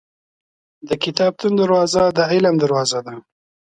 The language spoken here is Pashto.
• د کتابتون دروازه د علم دروازه ده.